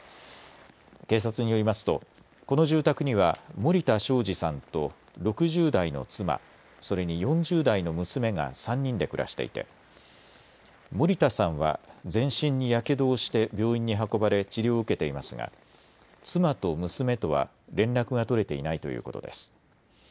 警察によりますとこの住宅には森田正二さんと６０代の妻、それに４０代の娘が３人で暮らしていて、森田さんは全身にやけどをして病院に運ばれ治療を受けていますが妻と娘とは連絡が取れていないということです。